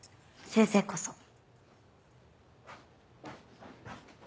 先生こそ。